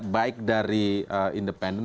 baik dari independen